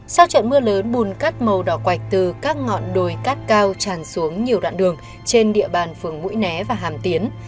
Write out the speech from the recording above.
sau trận mưa lớn bùn cát màu đỏ quạch từ các ngọn đồi cát cao tràn xuống nhiều đoạn đường trên địa bàn phường mũi né và hàm tiến